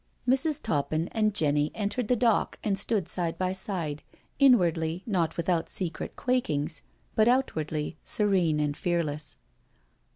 Mrs. Toppin and Jenny entered the dock and stood side by side, inwardly not without secret quakings, but outwardly serene and fearless.